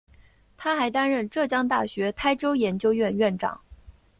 他还担任浙江大学台州研究院院长。